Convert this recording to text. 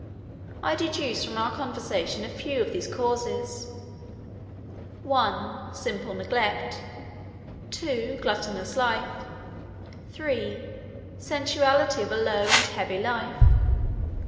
I deduce from our conversation a few of these causes. 1. Simple neglect. 2. Gluttonous life. 3. Sensuality of a low and heavy life.